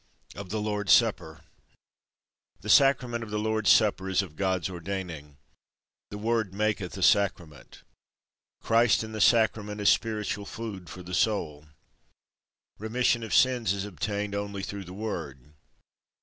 Of the Lord's Supper. The Sacrament of the Lord's Supper is of God's ordaining. The Word maketh a Sacrament. Christ in the Sacrament is spiritual food for the soul. Remission of sins is obtained only through the Word.